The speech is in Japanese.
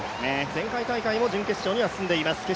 前回大会でも準決勝には進んでいます